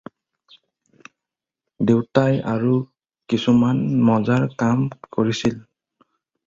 দেউতাই আৰু কিছুমান মজাৰ কাম কৰিছিল।